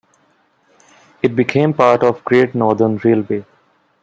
It became part of Great Northern Railway.